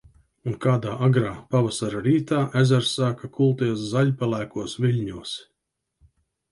Un kādā agrā pavasara rītā, ezers sāka kulties zaļpelēkos viļņos.